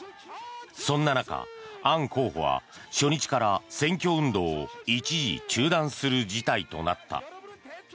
そんな中、アン候補は初日から選挙運動を一時、中断する事態となった。